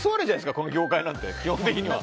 この業界なんて、基本的に。